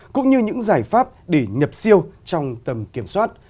cũng như những giải pháp để nhập siêu trong tầm kiểm soát